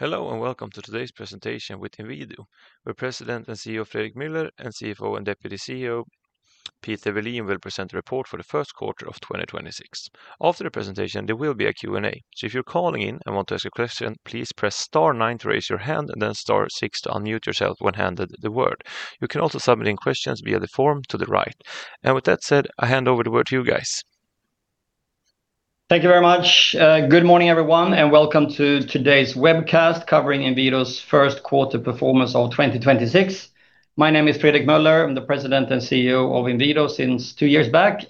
Hello, and welcome to today's presentation with Inwido, where President and CEO Fredrik Meuller and CFO and Deputy CEO Peter Welin will present a report for the first quarter of 2026. After the presentation, there will be a Q&A. So if you're calling in and want to ask a question, please press star nine to raise your hand, and then star six to unmute yourself when handed the word. You can also submit in questions via the form to the right. With that said, I hand over the word to you guys. Thank you very much. Good morning, everyone, and welcome to today's webcast covering Inwido's first quarter performance of 2026. My name is Fredrik Meuller. I'm the president and CEO of Inwido since two years back.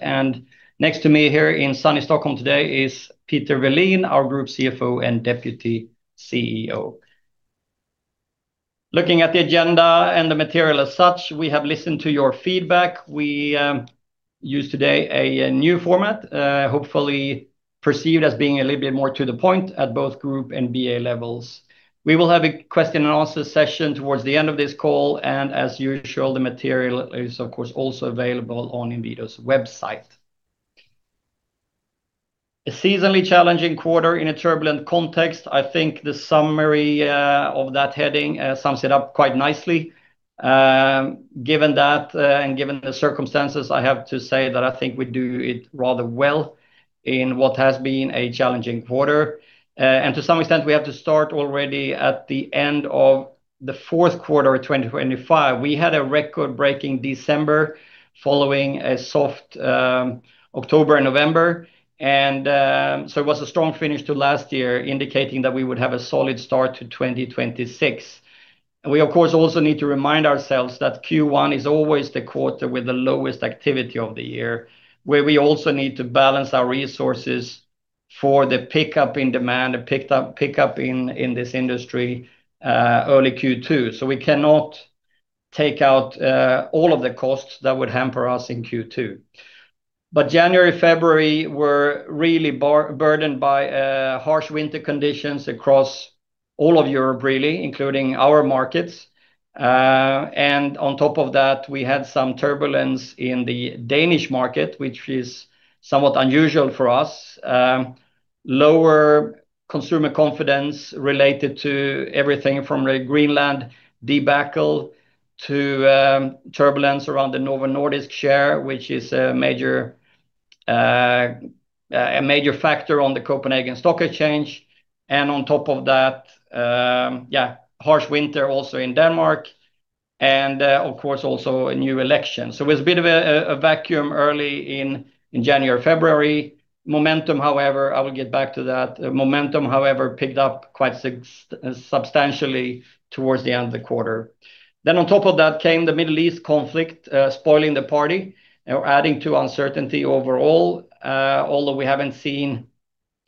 Next to me here in sunny Stockholm today is Peter Welin, our group CFO and deputy CEO. Looking at the agenda and the material as such, we have listened to your feedback. We use today a new format, hopefully perceived as being a little bit more to the point at both group and BA levels. We will have a question and answer session towards the end of this call, and as usual, the material is, of course, also available on Inwido's website. A seasonally challenging quarter in a turbulent context. I think the summary of that heading sums it up quite nicely. Given that, and given the circumstances, I have to say that I think we do it rather well in what has been a challenging quarter. To some extent, we have to start already at the end of the fourth quarter of 2025. We had a record-breaking December following a soft October and November. It was a strong finish to last year, indicating that we would have a solid start to 2026. We, of course, also need to remind ourselves that Q1 is always the quarter with the lowest activity of the year, where we also need to balance our resources for the pickup in demand, the pickup in this industry early Q2. We cannot take out all of the costs that would hamper us in Q2. January, February were really burdened by harsh winter conditions across all of Europe, really, including our markets. On top of that, we had some turbulence in the Danish market, which is somewhat unusual for us. Lower consumer confidence related to everything from the Greenland debacle to turbulence around the Novo Nordisk share, which is a major factor on the Copenhagen Stock Exchange. On top of that, yeah, harsh winter also in Denmark, and of course, also a new election. It was a bit of a vacuum early in January, February. Momentum, however, I will get back to that. Momentum, however, picked up quite substantially towards the end of the quarter. On top of that came the Middle East conflict, spoiling the party or adding to uncertainty overall, although we haven't seen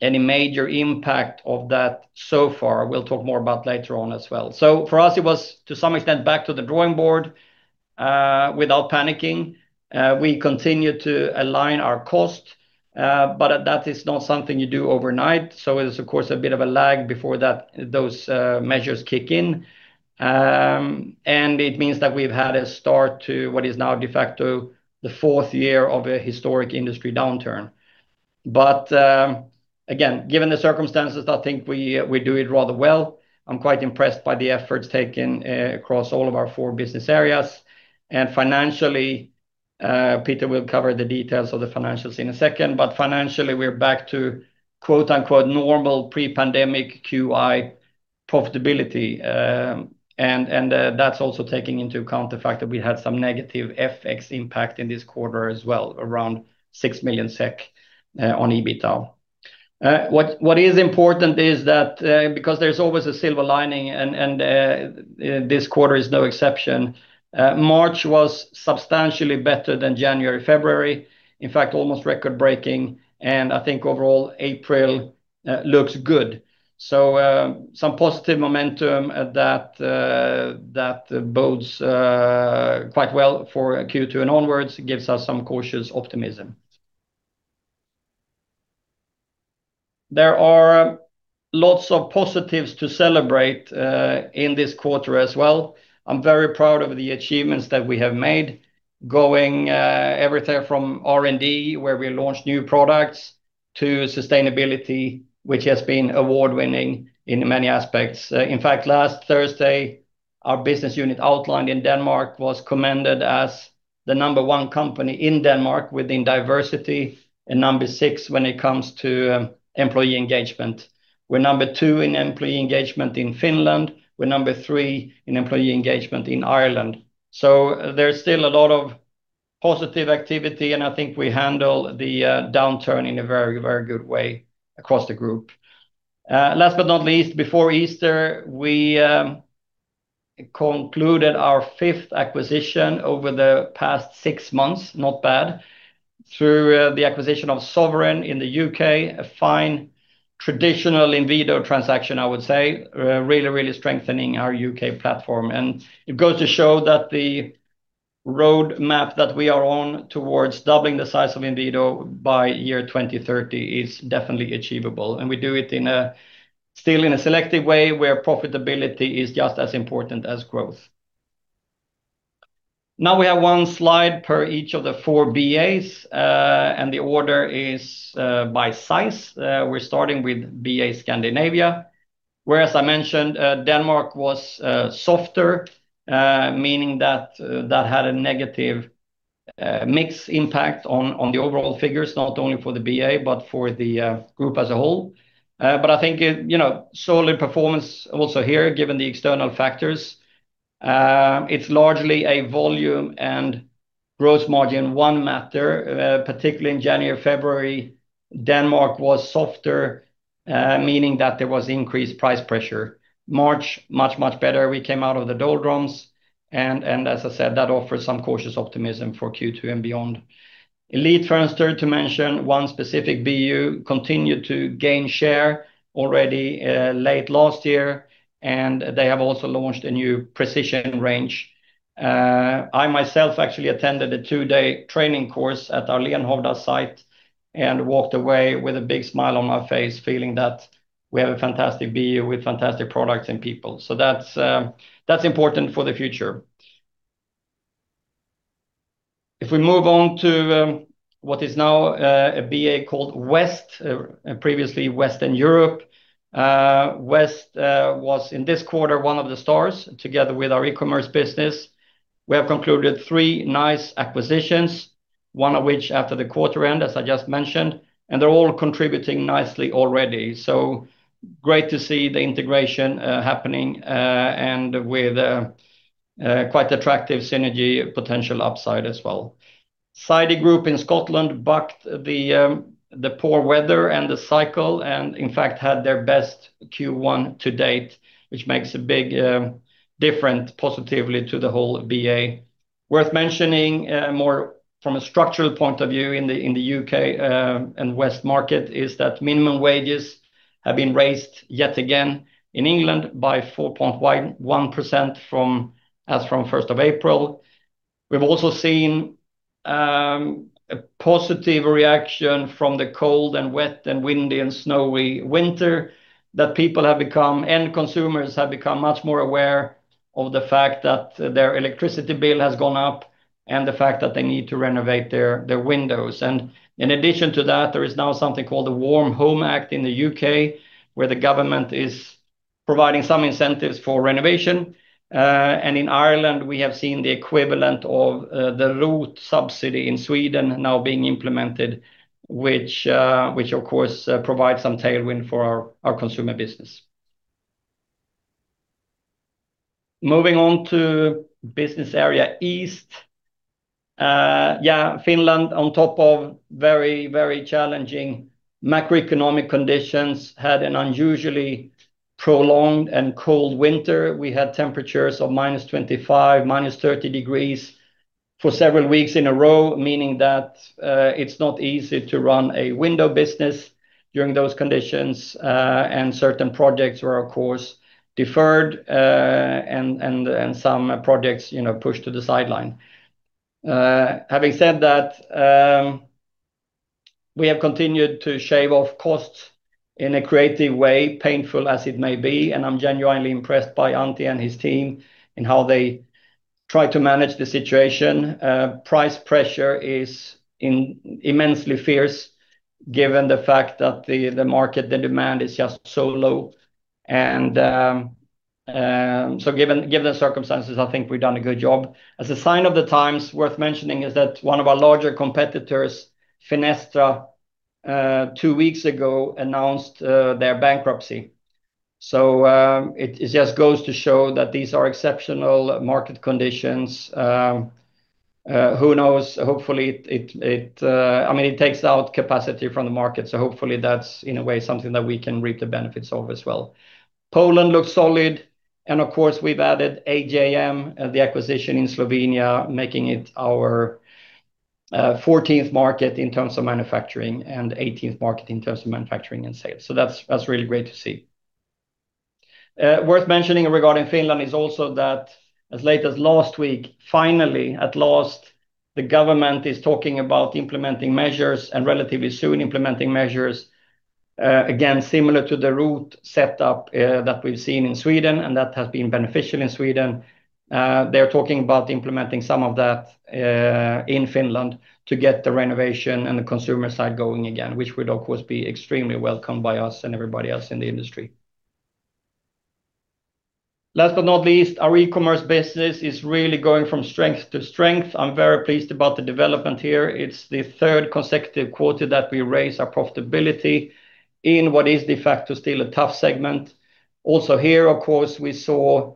any major impact of that so far. We'll talk more about it later on as well. For us, it was to some extent back to the drawing board, without panicking. We continued to align our cost, but that is not something you do overnight. It is of course a bit of a lag before those measures kick in. It means that we've had a start to what is now de facto the fourth year of a historic industry downturn. Again, given the circumstances, I think we do it rather well. I'm quite impressed by the efforts taken, across all of our four business areas. Financially, Peter will cover the details of the financials in a second. Financially, we're back to quote-unquote, "normal pre-pandemic Q1 profitability." And that's also taking into account the fact that we had some negative FX impact in this quarter as well, around 6 million SEK on EBITDA. What is important is that, because there's always a silver lining, this quarter is no exception. March was substantially better than January, February, in fact, almost record-breaking. I think overall, April looks good. Some positive momentum at that bodes quite well for Q2 and onwards, gives us some cautious optimism. There are lots of positives to celebrate in this quarter as well. I'm very proud of the achievements that we have made, going everything from R&D, where we launched new products, to sustainability, which has been award-winning in many aspects. In fact, last Thursday, our business unit Outline in Denmark was commended as the number one company in Denmark within diversity and number six when it comes to employee engagement. We're number two in employee engagement in Finland. We're number three in employee engagement in Ireland. There's still a lot of positive activity, and I think we handle the downturn in a very, very good way across the group. Last but not least, before Easter, we concluded our fifth acquisition over the past six months, not bad, through the acquisition of Sovereign in the U.K., a fine traditional Inwido transaction, I would say, really, really strengthening our U.K. platform. It goes to show that the roadmap that we are on towards doubling the size of Inwido by year 2030 is definitely achievable. We do it still in a selective way where profitability is just as important as growth. Now we have one slide per each of the four BAs, and the order is by size. We're starting with BA Scandinavia, where, as I mentioned, Denmark was softer, meaning that that had a negative mixed impact on the overall figures, not only for the BA but for the group as a whole. But I think it, you know, solid performance also here, given the external factors. It's largely a volume and gross margin matter. Particularly in January, February, Denmark was softer, meaning that there was increased price pressure. March, much better. We came out of the doldrums and as I said, that offered some cautious optimism for Q2 and beyond. Elitfönster, to mention one specific BU, continued to gain share already late last year, and they have also launched a new Precision range. I myself actually attended a two-day training course at our Lenhovda site and walked away with a big smile on my face, feeling that we have a fantastic view with fantastic products and people. That's important for the future. If we move on to what is now a BA called West, previously Western Europe. West was in this quarter one of the stars together with our e-commerce business. We have concluded three nice acquisitions, one of which after the quarter end, as I just mentioned, and they're all contributing nicely already. Great to see the integration happening and with quite attractive synergy potential upside as well. Sidey Group in Scotland bucked the poor weather and the cycle and in fact had their best Q1 to date, which makes a big difference positively to the whole BA. Worth mentioning more from a structural point of view in the U.K. and West market is that minimum wages have been raised yet again in England by 4.11% from April 1. We've also seen a positive reaction from the cold and wet and windy and snowy winter that end consumers have become much more aware of the fact that their electricity bill has gone up and the fact that they need to renovate their windows. In addition to that, there is now something called the Warm Homes Act in the U.K., where the government is providing some incentives for renovation. In Ireland, we have seen the equivalent of the ROT subsidy in Sweden now being implemented, which of course provides some tailwind for our consumer business. Moving on to Business Area East. Finland on top of very, very challenging macroeconomic conditions had an unusually prolonged and cold winter. We had temperatures of -25 to -30 degrees for several weeks in a row, meaning that it's not easy to run a window business during those conditions. Certain projects were of course deferred, and some projects, you know, pushed to the sideline. Having said that, we have continued to shave off costs in a creative way, painful as it may be, and I'm genuinely impressed by Antti and his team in how they try to manage the situation. Price pressure is immensely fierce given the fact that the market, the demand is just so low. So given the circumstances, I think we've done a good job. As a sign of the times worth mentioning is that one of our larger competitors, Fenestra, two weeks ago announced their bankruptcy. I mean, it takes out capacity from the market, so hopefully that's in a way something that we can reap the benefits of as well. Poland looks solid, and of course, we've added AJM, the acquisition in Slovenia, making it our fourteenth market in terms of manufacturing and eighteenth market in terms of manufacturing and sales. That's really great to see. Worth mentioning regarding Finland is also that as late as last week, finally, at last, the government is talking about implementing measures and relatively soon implementing measures, again, similar to the ROT setup that we've seen in Sweden and that has been beneficial in Sweden. They're talking about implementing some of that in Finland to get the renovation and the consumer side going again, which would of course be extremely welcomed by us and everybody else in the industry. Last but not least, our e-commerce business is really going from strength to strength. I'm very pleased about the development here. It's the third consecutive quarter that we raised our profitability in what is de facto still a tough segment. Also here, of course, we saw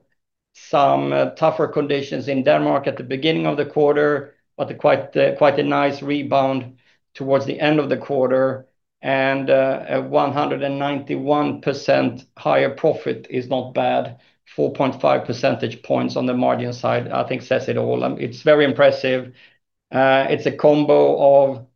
some tougher conditions in Denmark at the beginning of the quarter, but quite a nice rebound towards the end of the quarter and a 191% higher profit is not bad. 4.5 percentage points on the margin side, I think says it all. It's very impressive. It's a combo of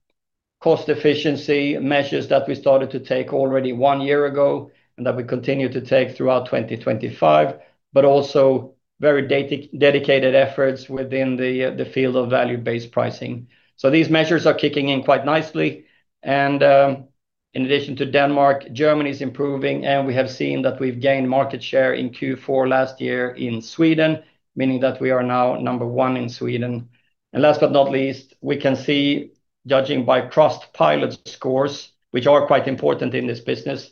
cost efficiency measures that we started to take already one year ago and that we continue to take throughout 2025, but also very dedicated efforts within the field of value-based pricing. These measures are kicking in quite nicely. In addition to Denmark, Germany is improving, and we have seen that we've gained market share in Q4 last year in Sweden, meaning that we are now number one in Sweden. Last but not least, we can see judging by Trustpilot scores, which are quite important in this business,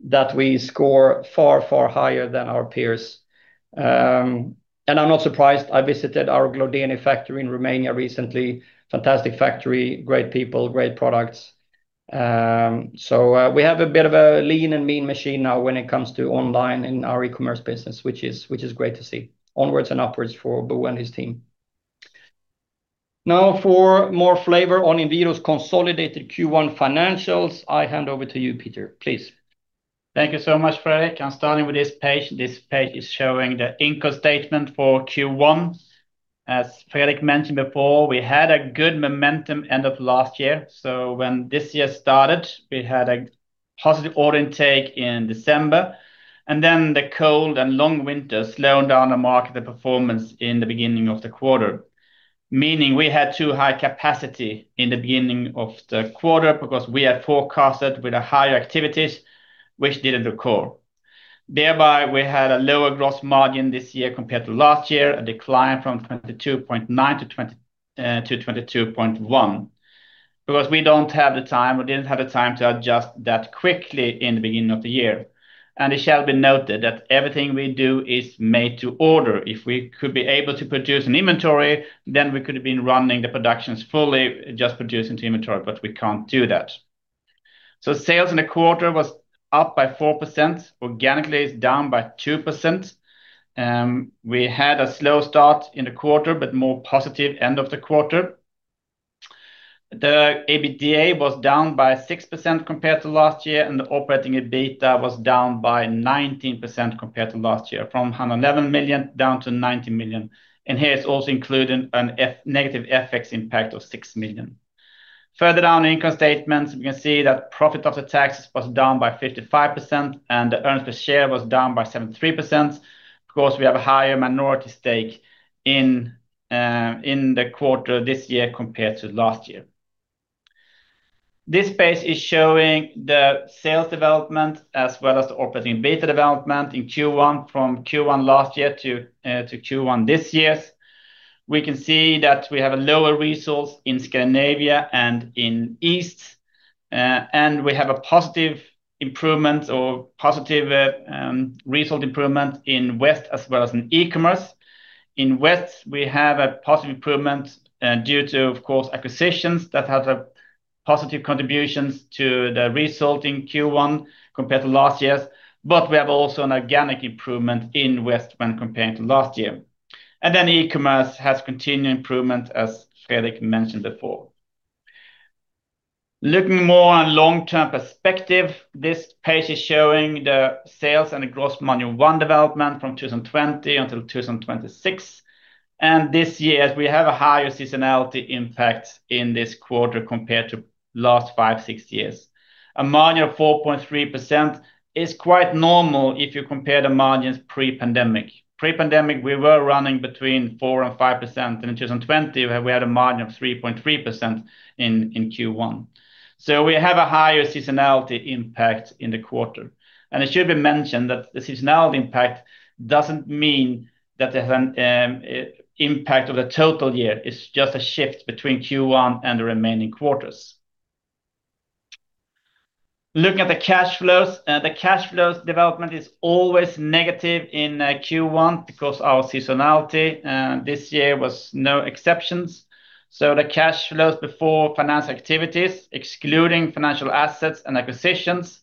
that we score far, far higher than our peers. I'm not surprised. I visited our Glodeni factory in Romania recently. Fantastic factory, great people, great products. We have a bit of a lean and mean machine now when it comes to online and our e-commerce business, which is great to see. Onwards and upwards for Bo and his team. Now for more flavor on Inwido's consolidated Q1 financials, I hand over to you, Peter, please. Thank you so much, Fredrik. I'm starting with this page. This page is showing the income statement for Q1. As Fredrik mentioned before, we had a good momentum end of last year. When this year started, we had a positive order intake in December. The cold and long winter slowing down the market affected the performance in the beginning of the quarter, meaning we had too high capacity in the beginning of the quarter because we had forecasted with a higher activities which didn't occur. Thereby, we had a lower gross margin this year compared to last year, a decline from 22.9%-22.1%. Because we didn't have the time to adjust that quickly in the beginning of the year. It shall be noted that everything we do is made to order. If we could be able to produce an inventory, then we could have been running the productions fully, just producing to inventory, but we can't do that. Sales in the quarter was up by 4%. Organically, it's down by 2%. We had a slow start in the quarter, but more positive end of the quarter. The EBITDA was down by 6% compared to last year, and the operating EBITDA was down by 19% compared to last year, from 111 million down to 90 million. Here it's also including a negative FX impact of 6 million. Further down the income statement, we can see that profit after taxes was down by 55%, and the earnings per share was down by 73% because we have a higher minority stake in the quarter this year compared to last year. This page is showing the sales development as well as the operating EBITDA development in Q1 from Q1 last year to Q1 this year. We can see that we have a lower result in Scandinavia and in East, and we have a positive result improvement in West as well as in e-commerce. In West, we have a positive improvement due to, of course, acquisitions that had a positive contribution to the result in Q1 compared to last year. We have also an organic improvement in West when comparing to last year. E-commerce has continued improvement as Fredrik mentioned before. Looking more on long-term perspective, this page is showing the sales and the gross margin development from 2020 until 2026. This year, we have a higher seasonality impact in this quarter compared to last five, six years. A margin of 4.3% is quite normal if you compare the margins pre-pandemic. Pre-pandemic, we were running between 4% and 5%. In 2020, we had a margin of 3.3% in Q1. We have a higher seasonality impact in the quarter. It should be mentioned that the seasonality impact doesn't mean that it has an impact on the total year. It's just a shift between Q1 and the remaining quarters. Looking at the cash flows, the cash flows development is always negative in Q1 because our seasonality this year was no exceptions. The cash flows before finance activities, excluding financial assets and acquisitions,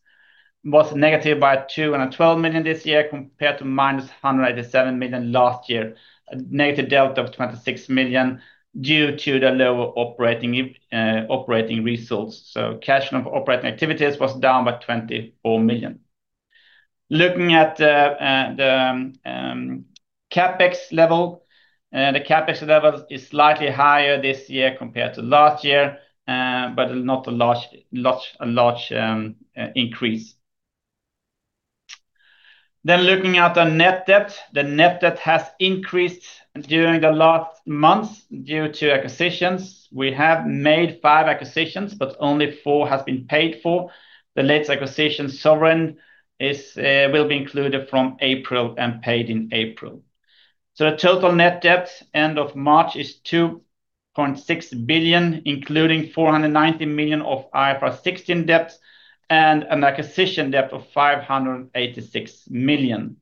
was negative by 212 million this year compared to -187 million last year, a negative delta of 26 million due to the lower operating results. Cash from operating activities was down by 24 million. Looking at the CapEx level, the CapEx level is slightly higher this year compared to last year, but not a large increase. Then looking at the net debt, the net debt has increased during the last months due to acquisitions. We have made 5 acquisitions, but only 4 has been paid for. The latest acquisition, Sovereign, will be included from April and paid in April. The total net debt end of March is 2.6 billion, including 490 million of IFRS 16 debt and an acquisition debt of 586 million.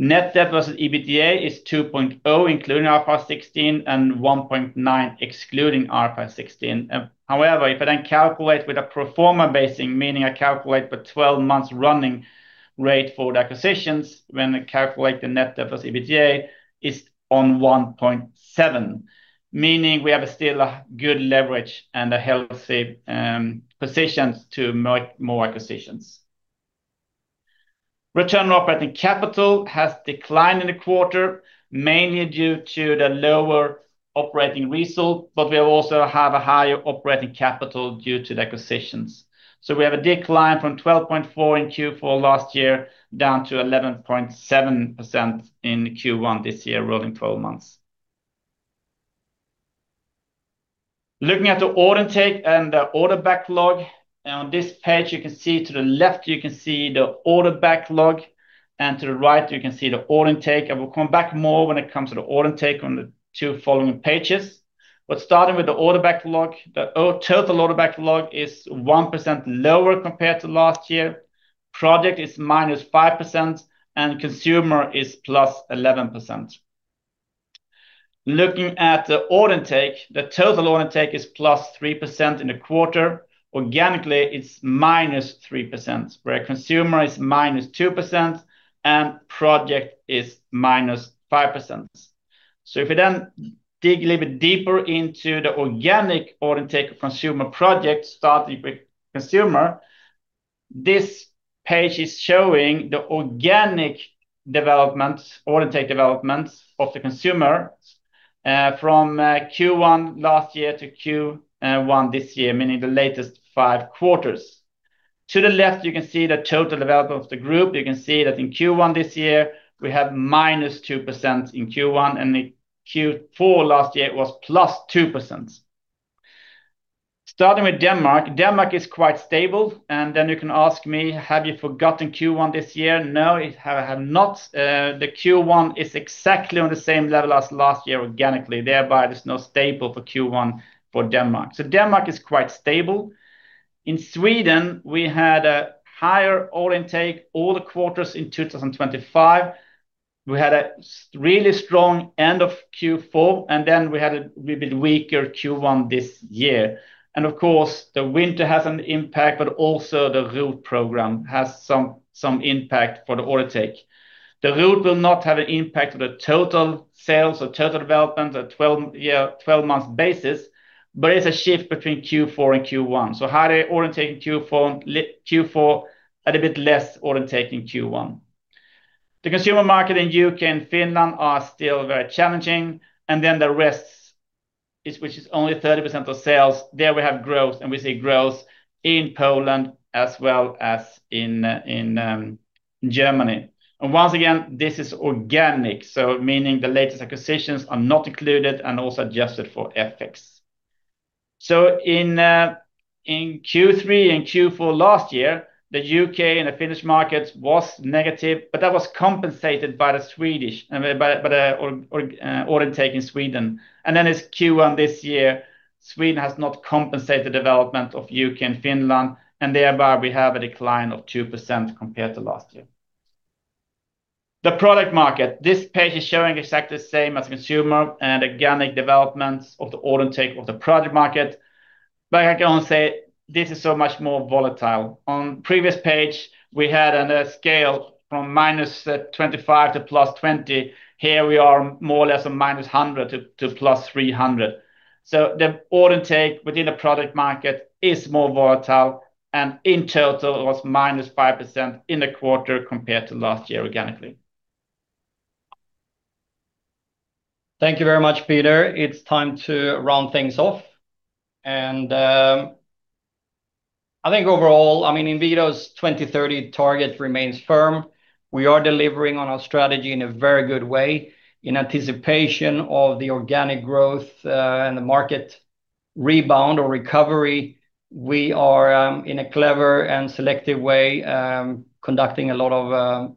Net debt versus EBITDA is 2.0 including IFRS 16 and 1.9 excluding IFRS 16. However, if I then calculate with a pro forma basis, meaning I calculate for 12 months running rate for the acquisitions, when I calculate the net debt versus EBITDA, it's at 1.7, meaning we have still a good leverage and a healthy position to make more acquisitions. Return on operating capital has declined in the quarter, mainly due to the lower operating result, but we also have a higher operating capital due to the acquisitions. We have a decline from 12.4% in Q4 last year down to 11.7% in Q1 this year, rolling 12 months. Looking at the order intake and the order backlog, on this page, you can see to the left, you can see the order backlog, and to the right, you can see the order intake. I will come back more when it comes to the order intake on the two following pages. Starting with the order backlog, the total order backlog is 1% lower compared to last year. Project is -5%, and consumer is +11%. Looking at the order intake, the total order intake is +3% in the quarter. Organically, it's -3%, where consumer is -2% and project is -5%. If you then dig a little bit deeper into the organic order intake consumer project, starting with consumer, this page is showing the organic development, order intake development of the consumer, from Q1 last year to Q1 this year, meaning the latest five quarters. To the left, you can see the total development of the group. You can see that in Q1 this year, we have -2% in Q1, and in Q4 last year, it was +2%. Starting with Denmark is quite stable. Then you can ask me, have you forgotten Q1 this year? No, I have not. The Q1 is exactly on the same level as last year organically. Thereby, there's no change for Q1 for Denmark. Denmark is quite stable. In Sweden, we had a higher order intake all the quarters in 2025. We had a really strong end of Q4, and then we had a wee bit weaker Q1 this year. Of course, the winter has an impact, but also the ROT program has some impact for the order intake. The ROT will not have an impact on the total sales or total development on a 12-month basis, but it's a shift between Q4 and Q1. Higher order intake in Q4, and a bit less order intake in Q1. The consumer market in U.K. and Finland are still very challenging. Then the rest, which is only 30% of sales, there we have growth, and we see growth in Poland as well as in Germany. Once again, this is organic, so meaning the latest acquisitions are not included and also adjusted for FX. In Q3 and Q4 last year, the U.K. and the Finnish market was negative, but that was compensated by the Swedish and by the order intake in Sweden. Then it's Q1 this year, Sweden has not compensated the development of U.K. and Finland, and thereby we have a decline of 2% compared to last year. The project market. This page is showing exactly the same as consumer and organic developments of the order intake of the project market. But I can only say this is so much more volatile. On previous page, we had on a scale from -25% to +20%. Here we are more or less from -100% to +300%. The order intake within the project market is more volatile, and in total, it was -5% in the quarter compared to last year organically. Thank you very much, Peter. It's time to round things off. I think overall, I mean, Inwido's 20-30 target remains firm. We are delivering on our strategy in a very good way. In anticipation of the organic growth, and the market rebound or recovery, we are in a clever and selective way conducting a lot of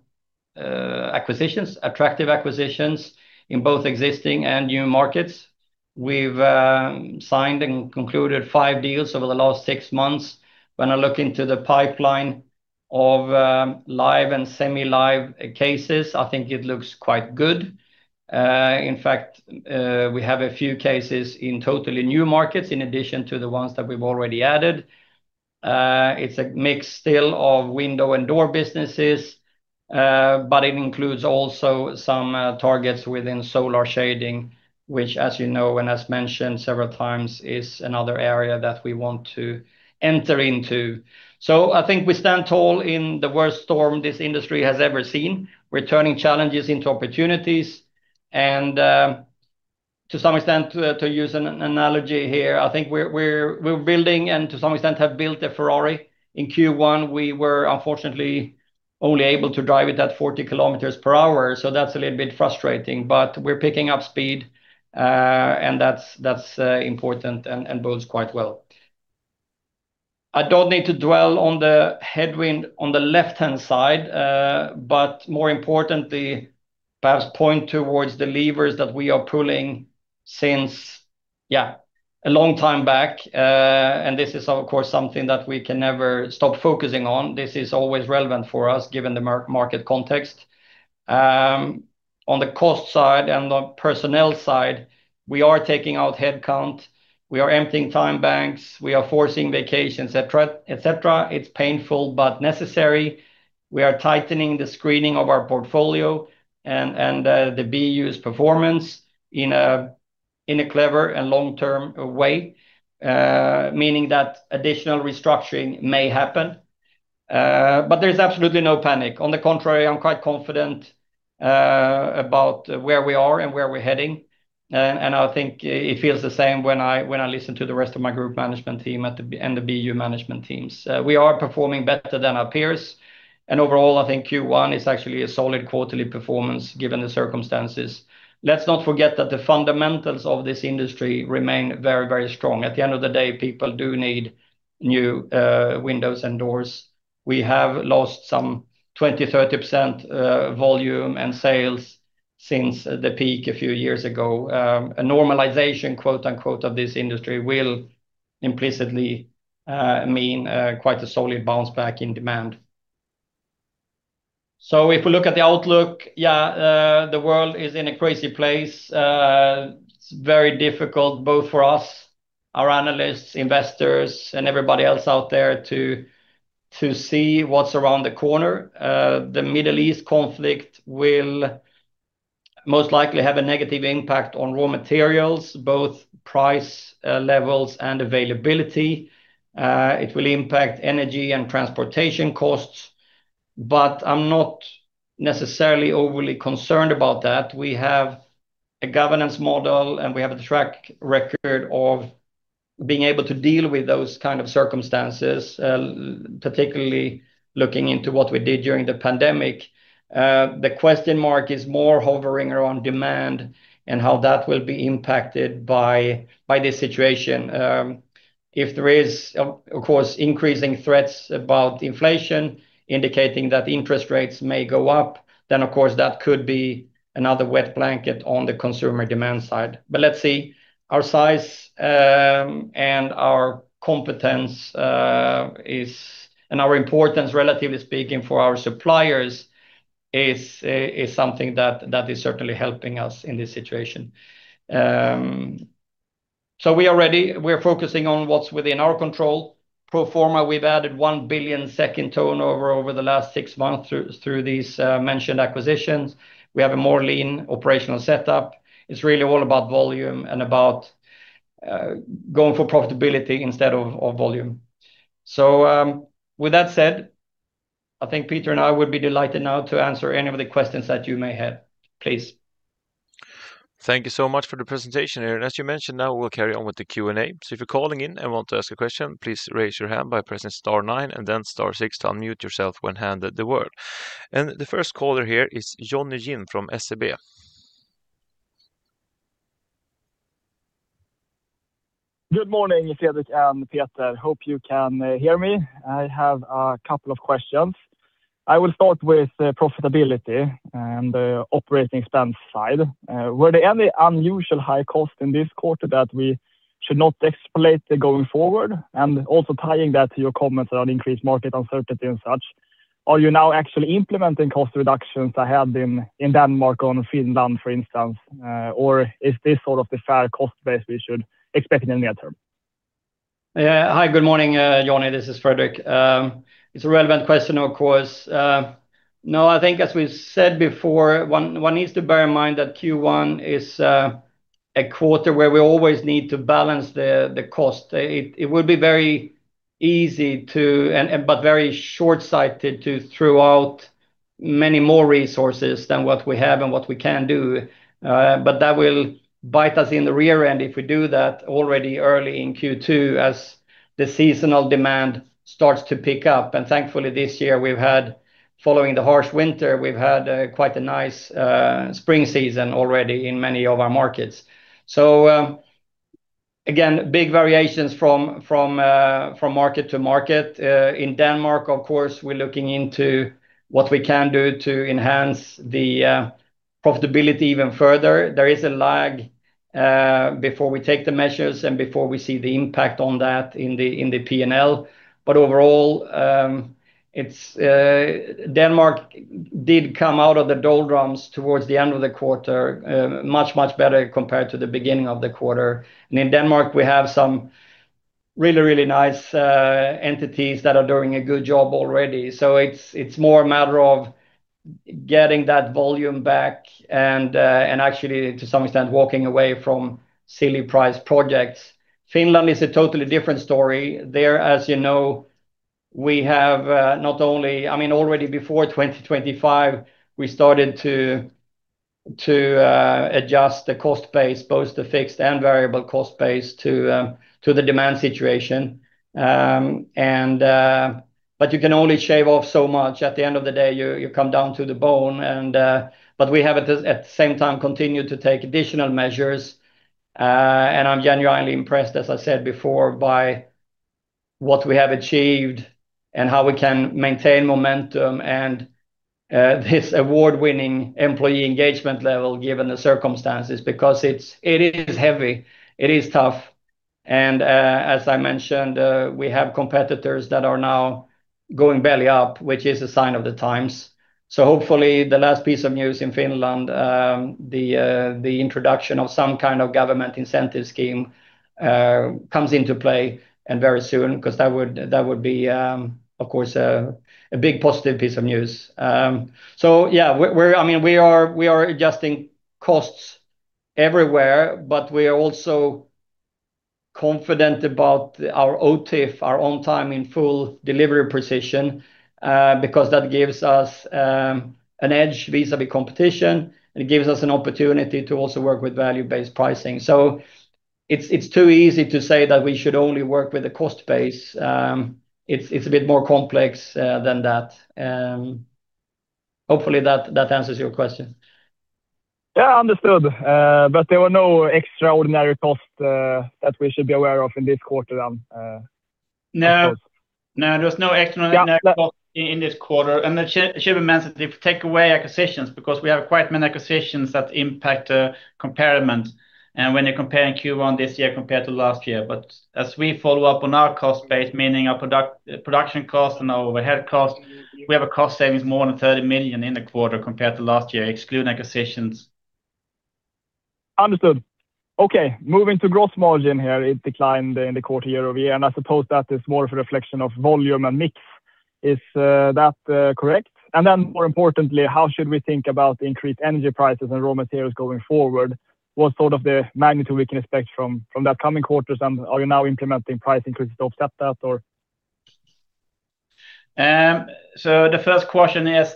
acquisitions, attractive acquisitions in both existing and new markets. We've signed and concluded five deals over the last six months. When I look into the pipeline of live and semi-live cases, I think it looks quite good. In fact, we have a few cases in totally new markets in addition to the ones that we've already added. It's a mix still of window and door businesses, but it includes also some targets within solar shading, which, as you know and as mentioned several times, is another area that we want to enter into. I think we stand tall in the worst storm this industry has ever seen. We're turning challenges into opportunities. To some extent, to use an analogy here, I think we're building and to some extent have built a Ferrari. In Q1, we were unfortunately only able to drive it at 40 km/h, so that's a little bit frustrating. We're picking up speed, and that's important and bodes quite well. I don't need to dwell on the headwind on the left-hand side, but more importantly, perhaps point towards the levers that we are pulling since a long time back. This is of course, something that we can never stop focusing on. This is always relevant for us, given the market context. On the cost side and the personnel side, we are taking out headcount, we are emptying time banks, we are forcing vacation, et cetera. It's painful but necessary. We are tightening the screening of our portfolio and the BU's performance in a clever and long-term way, meaning that additional restructuring may happen. There's absolutely no panic. On the contrary, I'm quite confident about where we are and where we're heading. I think it feels the same when I listen to the rest of my group management team and the BU management teams. We are performing better than our peers. Overall, I think Q1 is actually a solid quarterly performance given the circumstances. Let's not forget that the fundamentals of this industry remain very, very strong. At the end of the day, people do need new windows and doors. We have lost some 20%-30% volume and sales since the peak a few years ago. A normalization, quote-unquote, of this industry will implicitly mean quite a solid bounce back in demand. If we look at the outlook, the world is in a crazy place. It's very difficult both for us, our analysts, investors, and everybody else out there to see what's around the corner. The Middle East conflict will most likely have a negative impact on raw materials, both price levels, and availability. It will impact energy and transportation costs, but I'm not necessarily overly concerned about that. We have a governance model, and we have a track record of being able to deal with those kind of circumstances, particularly looking into what we did during the pandemic. The question mark is more hovering around demand and how that will be impacted by this situation. If there is, of course, increasing threats about inflation indicating that interest rates may go up, then of course, that could be another wet blanket on the consumer demand side. Let's see. Our size and our competence is and our importance, relatively speaking, for our suppliers is something that is certainly helping us in this situation. We're focusing on what's within our control. Pro forma, we've added 1 billion in turnover over the last six months through these mentioned acquisitions. We have a more lean operational setup. It's really all about volume and about going for profitability instead of volume. With that said, I think Peter and I would be delighted now to answer any of the questions that you may have. Please. Thank you so much for the presentation, Fredrik Meuller. As you mentioned, now we'll carry on with the Q&A. If you're calling in and want to ask a question, please raise your hand by pressing star nine and then star six to unmute yourself when handed the word. The first caller here is Jonny Jin from SEB. Good morning, Fredrik and Peter. Hope you can hear me. I have a couple of questions. I will start with profitability and operating expense side. Were there any unusually high costs in this quarter that we should not expect going forward? Tying that to your comments around increased market uncertainty and such, are you now actually implementing cost reductions that have been in Denmark or in Finland, for instance? Or is this sort of the fair cost base we should expect in the near term? Yeah. Hi, good morning, Jonny. This is Fredrik. It's a relevant question, of course. No, I think as we said before, one needs to bear in mind that Q1 is a quarter where we always need to balance the cost. It would be very easy, but very short-sighted to throw out many more resources than what we have and what we can do. But that will bite us in the rear end if we do that already early in Q2 as the seasonal demand starts to pick up. Thankfully, this year we've had, following the harsh winter, quite a nice spring season already in many of our markets. Again, big variations from market to market. In Denmark, of course, we're looking into what we can do to enhance the profitability even further. There is a lag before we take the measures and before we see the impact on that in the P&L. Overall, it's Denmark did come out of the doldrums towards the end of the quarter, much better compared to the beginning of the quarter. In Denmark, we have some really nice entities that are doing a good job already. It's more a matter of getting that volume back and actually to some extent, walking away from silly price projects. Finland is a totally different story. There, as you know, we have not only. I mean, already before 2025, we started to adjust the cost base, both the fixed and variable cost base to the demand situation. You can only shave off so much. At the end of the day, you come down to the bone. We have at the same time continued to take additional measures. I'm genuinely impressed, as I said before, by what we have achieved and how we can maintain momentum and this award-winning employee engagement level given the circumstances. Because it is heavy. It is tough. As I mentioned, we have competitors that are now going belly up, which is a sign of the times. Hopefully, the last piece of news in Finland, the introduction of some kind of government incentive scheme comes into play very soon, because that would be, of course, a big positive piece of news. Yeah. I mean, we are adjusting costs everywhere, but we are also confident about our OTIF, on-time in-full delivery precision, because that gives us an edge vis-à-vis competition, and it gives us an opportunity to also work with value-based pricing. It's too easy to say that we should only work with a cost base. It's a bit more complex than that. Hopefully that answers your question. Yeah. Understood. There were no extraordinary costs that we should be aware of in this quarter then, of course? No, there was no extraordinary- Yeah. -cost in this quarter. It should be mentioned if you take away acquisitions, because we have quite many acquisitions that impact comparisons, and when you're comparing Q1 this year compared to last year. As we follow up on our cost base, meaning our production cost and our overhead cost, we have a cost savings more than 30 million in the quarter compared to last year, excluding acquisitions. Understood. Okay, moving to gross margin here, it declined in the quarter year-over-year, and I suppose that is more of a reflection of volume and mix. Is that correct? And then more importantly, how should we think about the increased energy prices and raw materials going forward? What sort of the magnitude we can expect from the upcoming quarters, and are you now implementing price increases to offset that or? The first question is,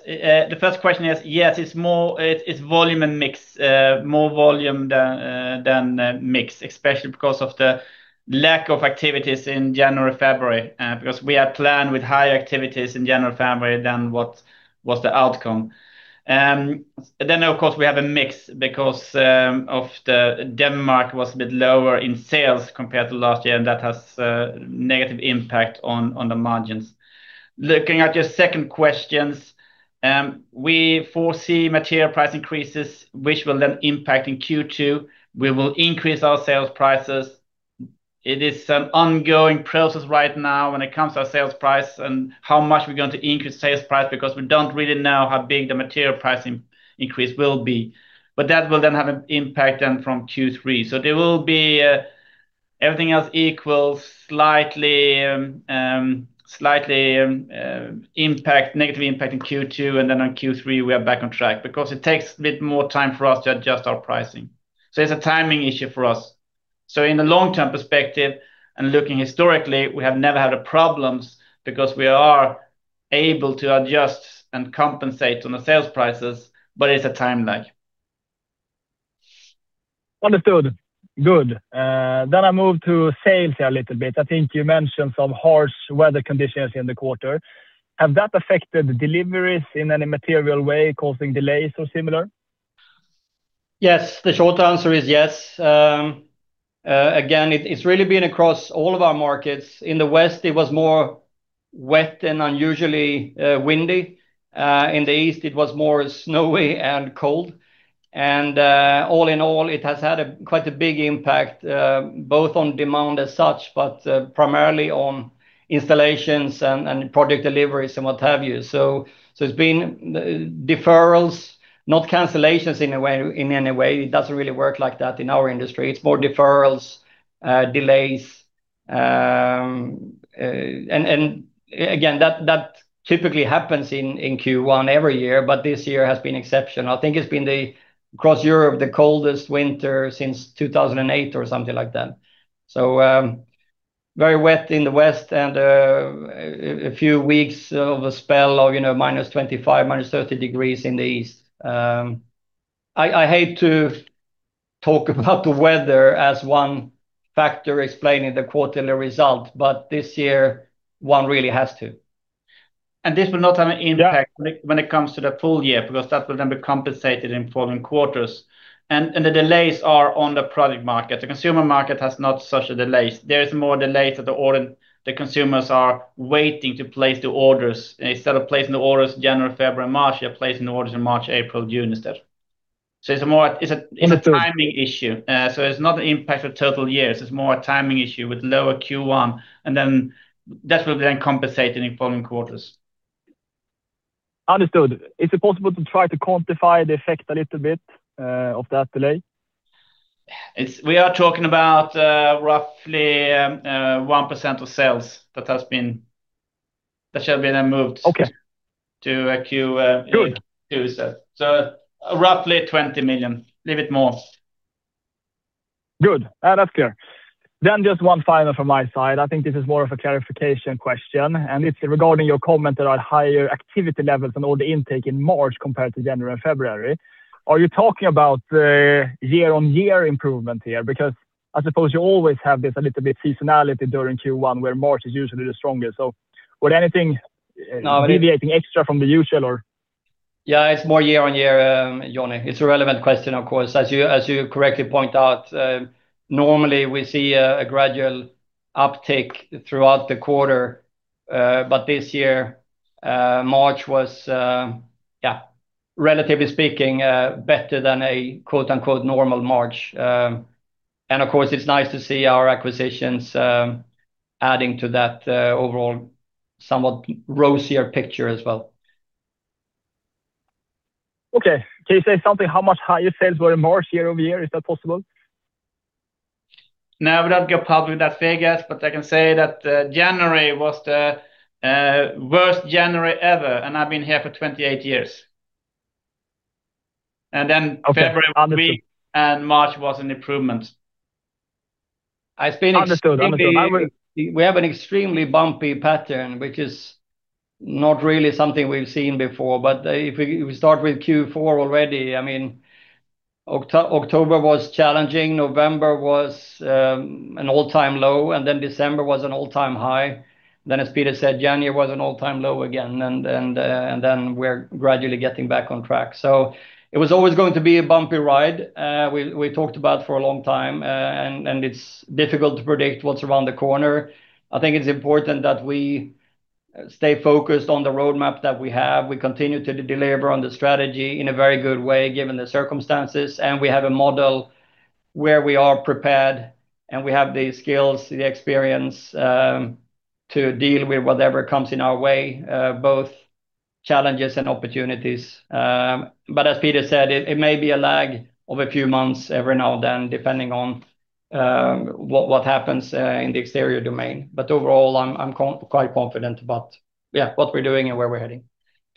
yes, it's more volume and mix, more volume than mix, especially because of the lack of activities in January, February, because we had planned with high activities in January, February than what was the outcome. Of course, we have a mix because Denmark was a bit lower in sales compared to last year, and that has a negative impact on the margins. Looking at your second questions, we foresee material price increases, which will then impact in Q2. We will increase our sales prices. It is an ongoing process right now when it comes to our sales price and how much we're going to increase sales price because we don't really know how big the material price increase will be. That will have an impact from Q3. There will be, all else equal, slightly negative impact in Q2, and then in Q3 we are back on track. It takes a bit more time for us to adjust our pricing. It's a timing issue for us. In the long-term perspective and looking historically, we have never had problems because we are able to adjust and compensate on the sales prices, but it's a time lag. Understood. Good. I move to sales here a little bit. I think you mentioned some harsh weather conditions in the quarter. Have that affected deliveries in any material way causing delays or similar? Yes. The short answer is yes. Again, it's really been across all of our markets. In the west, it was more wet and unusually windy. In the east, it was more snowy and cold. All in all, it has had quite a big impact both on demand as such, but primarily on installations and product deliveries and what have you. It's been deferrals, not cancellations in a way, in any way. It doesn't really work like that in our industry. It's more deferrals, delays. Again, that typically happens in Q1 every year, but this year has been exceptional. I think it's been across Europe the coldest winter since 2008 or something like that. Very wet in the west and a few weeks of a spell of, you know, -25 to -30 degrees in the east. I hate to talk about the weather as one factor explaining the quarterly result, but this year, one really has to. This will not have an impact- Yeah. -when it comes to the full year, because that will then be compensated in following quarters. The delays are on the project market. The consumer market has not such a delays. There is more delays the consumers are waiting to place the orders. Instead of placing the orders January, February, March, they're placing the orders in March, April, June instead. It's a- Understood. It's a timing issue. It's not an impact for total years. It's more a timing issue with lower Q1, and then that will compensate in the following quarters. Understood. Is it possible to try to quantify the effect a little bit of that delay? We are talking about roughly 1% of sales that shall be then moved. Okay. -to a Q- Good. -Q instead. Roughly SEK 20 million, a little bit more. Good. That's clear. Just one final from my side. I think this is more of a clarification question, and it's regarding your comment about higher activity levels and order intake in March compared to January and February. Are you talking about year-on-year improvement here? Because I suppose you always have this a little bit seasonality during Q1, where March is usually the strongest. Would anything- No. -deviating extra from the usual or? It's more year-on-year, Jonny. It's a relevant question, of course. As you correctly point out, normally we see a gradual uptick throughout the quarter, but this year, March was relatively speaking better than a quote-unquote "normal March". Of course, it's nice to see our acquisitions adding to that overall somewhat rosier picture as well. Okay. Can you say something how much higher sales were in March year-over-year? Is that possible? No, I would not go public with that figure, but I can say that January was the worst January ever, and I've been here for 28 years. February- Okay. Understood. Weak and March was an improvement. Understood. We have an extremely bumpy pattern, which is not really something we've seen before. If we start with Q4 already, I mean, October was challenging, November was an all-time low, and then December was an all-time high. As Peter said, January was an all-time low again, and then we're gradually getting back on track. It was always going to be a bumpy ride. We talked about for a long time, and it's difficult to predict what's around the corner. I think it's important that we stay focused on the roadmap that we have. We continue to deliver on the strategy in a very good way, given the circumstances, and we have a model where we are prepared and we have the skills, the experience, to deal with whatever comes in our way, both challenges and opportunities. As Peter said, it may be a lag of a few months every now and then, depending on what happens in the external environment. Overall, I'm quite confident about what we're doing and where we're heading.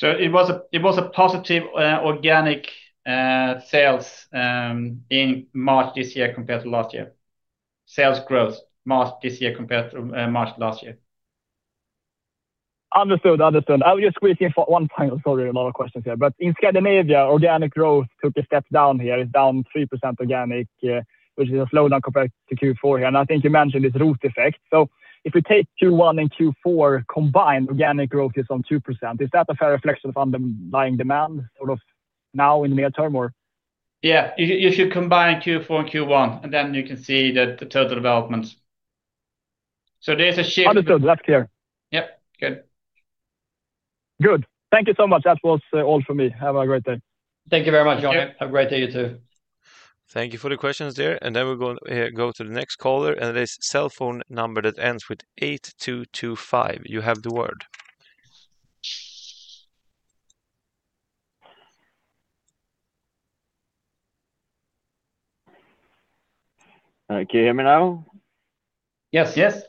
It was positive organic sales growth in March this year compared to March last year. Understood. I will just squeeze in for one final. Sorry, a lot of questions here. In Scandinavia, organic growth took a step down here. It's down 3% organic, which is a slowdown compared to Q4 here. I think you mentioned this ROT effect. If we take Q1 and Q4 combined, organic growth is at 2%. Is that a fair reflection of underlying demand sort of now in the medium term, or? Yeah. If you combine Q4 and Q1, and then you can see the total development. There's a shift- Understood. Last year. Yep. Good. Good. Thank you so much. That was all for me. Have a great day. Thank you very much, Jonny. Okay. Have a great day, you too. Thank you for the questions there. Then we're going to go to the next caller, and it is cell phone number that ends with 8225. You have the floor. Can you hear me now? Yes. Yes.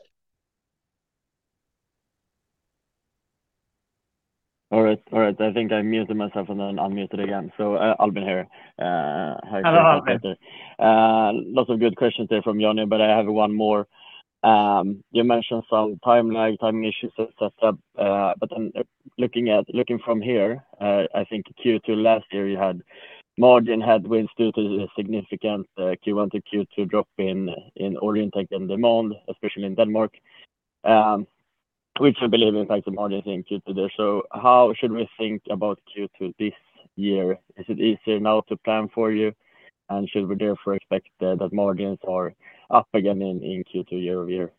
All right. I think I muted myself and then unmuted again. Albin here. Hi- Hello, Albin. -lots of good questions there from Jonny, but I have one more. You mentioned some timeline timing issues as set up. Looking from here, I think Q2 last year, you had margin headwinds due to the significant Q1 to Q2 drop in order intake and demand, especially in Denmark, which I believe impacts the margin in Q2 this. How should we think about Q2 this year? Is it easier now to plan for you? Should we therefore expect that margins are up again in Q2 year-over-year?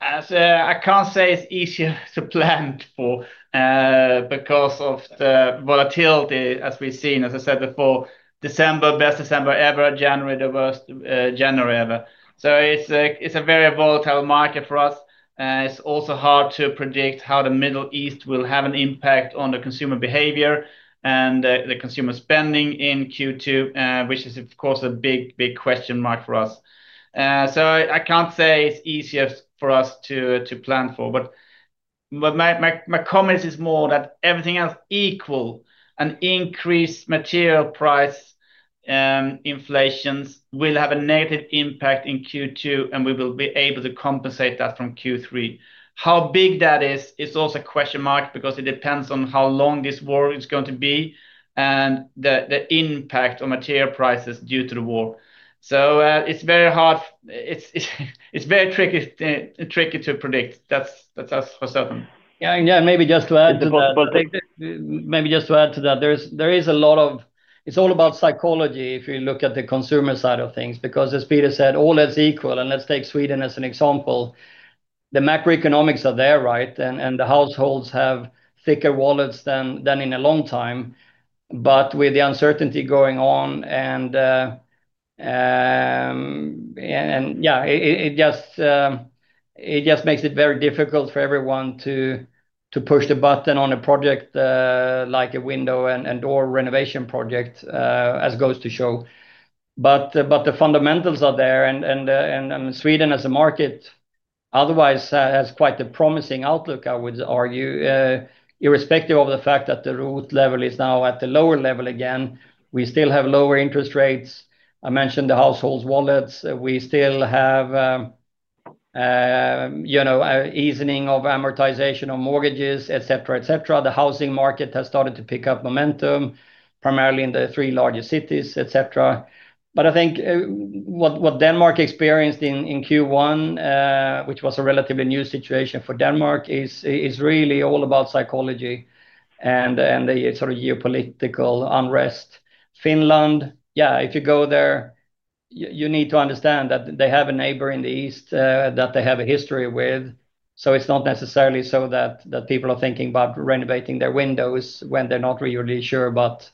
I can't say it's easier to plan for because of the volatility as we've seen. As I said before, December, best December ever, January, the worst January ever. It's a very volatile market for us. It's also hard to predict how the Middle East will have an impact on the consumer behavior and the consumer spending in Q2, which is of course a big question mark for us. I can't say it's easier for us to plan for. My comment is more that everything else equal, an increased material price, inflation will have a negative impact in Q2, and we will be able to compensate that from Q3. How big that is also a question mark because it depends on how long this war is going to be and the impact on material prices due to the war. It's very tricky to predict. That's us for certain. Yeah, maybe just to add to that. It's both- Maybe just to add to that, it's all about psychology if you look at the consumer side of things, because as Peter said, all else equal, and let's take Sweden as an example, the macroeconomics are there, right? The households have thicker wallets than in a long time. With the uncertainty going on, it just makes it very difficult for everyone to push the button on a project, like a window and door renovation project, as it goes to show. The fundamentals are there and Sweden as a market otherwise has quite a promising outlook, I would argue. Irrespective of the fact that the ROT level is now at the lower level again, we still have lower interest rates. I mentioned the households' wallets. We still have, you know, easing of amortization on mortgages, et cetera. The housing market has started to pick up momentum, primarily in the three largest cities, et cetera. I think what Denmark experienced in Q1, which was a relatively new situation for Denmark, is really all about psychology and the sort of geopolitical unrest. Finland, yeah, if you go there, you need to understand that they have a neighbor in the east that they have a history with. It's not necessarily so that people are thinking about renovating their windows when they're not really sure about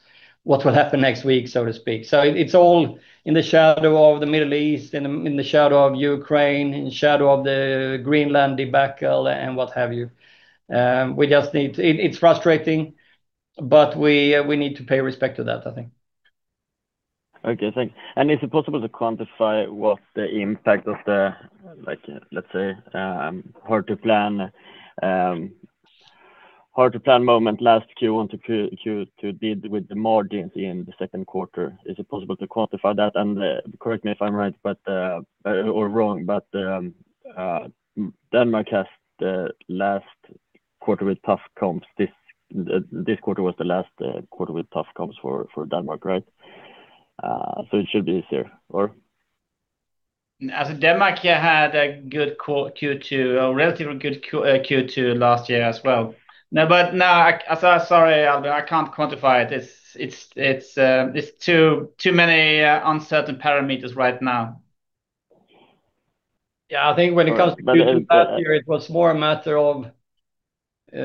what will happen next week, so to speak. It's all in the shadow of the Middle East, in the shadow of Ukraine, in the shadow of the Greenland debacle and what have you. We just need. It's frustrating, but we need to pay respect to that, I think. Okay, thanks. Is it possible to quantify what the impact of the, like, let's say, hard to plan moment last Q1 to Q2 did with the margins in the second quarter? Is it possible to quantify that? Correct me if I'm right, but, or wrong, but, Denmark has the last quarter with tough comps. This quarter was the last quarter with tough comps for Denmark, right? So it should be easier or? As Denmark, yeah, had a good Q2, a relatively good Q2 last year as well. No, but so sorry, Albin, I can't quantify it. It's too many uncertain parameters right now. Yeah. I think when it comes to- But, but it- Last year, it was more a matter of it.